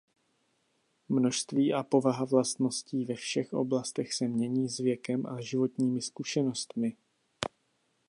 Množství a povaha vlastností ve všech oblastech se mění s věkem a životními zkušenostmi.